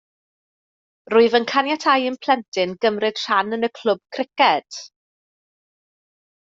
Rwyf yn caniatáu i'm plentyn gymryd rhan yn y clwb criced